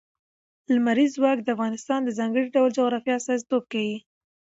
لمریز ځواک د افغانستان د ځانګړي ډول جغرافیه استازیتوب کوي.